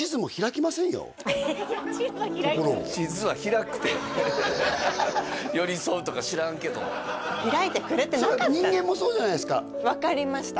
心を地図は開くって寄り添うとか知らんけど開いてくれてなかったんだ人間もそうじゃないですか分かりました